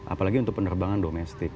apalagi untuk penerbangan domestik